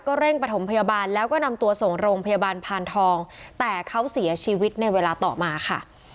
เร่งประถมพยาบาลแล้วก็นำตัวส่งโรงพยาบาลพานทองแต่เขาเสียชีวิตในเวลาต่อมาค่ะ